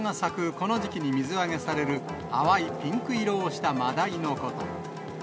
この時期に水揚げされる、淡いピンク色をした真鯛のこと。